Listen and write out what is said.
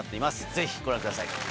ぜひご覧ください。